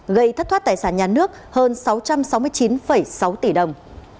gây thất thoát tài sản nhà nước hơn sáu trăm sáu mươi chín sáu tỷ đồng